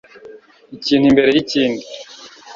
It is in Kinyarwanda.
Ikintu imbere yi kindi